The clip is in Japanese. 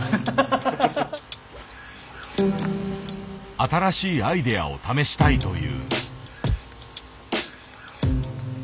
新しいアイデアを試したいという。